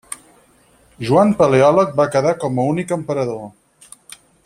Joan Paleòleg va quedar com a únic emperador.